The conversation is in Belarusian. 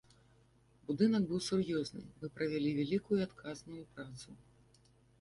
Будынак быў сур'ёзны, мы правялі вялікую і адказную працу.